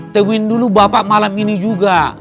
teguhin dulu bapak malam ini juga